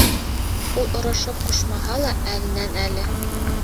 Ул орошоп ҡушмаһа ла, әленән-әле: